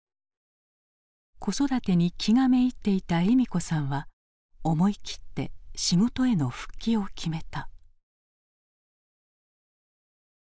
子育てに気がめいっていた笑美子さんは思い切って仕事への復帰を決めた。